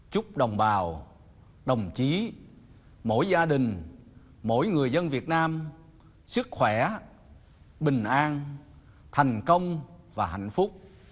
chúc đồng bào đồng chí mỗi gia đình mỗi người dân việt nam sức khỏe bình an thành công và hạnh phúc